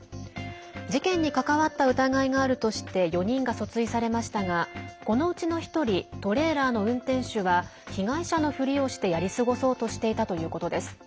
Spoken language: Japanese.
事件に関わった疑いがあるとして４人が訴追されましたがこのうちの１人トレーラーの運転手は被害者のふりをしてやり過ごそうとしていたということです。